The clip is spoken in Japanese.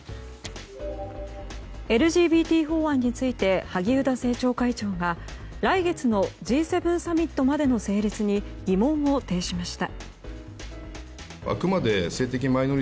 ＬＧＢＴ法案について萩生田政調会長が来月のＧ７サミットまでの成立に疑問を呈しました。